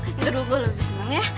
yang kedua gue lebih seneng ya